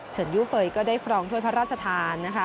เฉินยูเฟย์ก็ได้คลองทวดพระราชทานนะคะ